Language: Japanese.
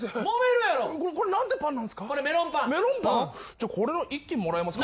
じゃあこれの１斤もらえますか。